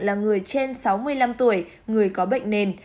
là người trên sáu mươi năm tuổi người có bệnh nền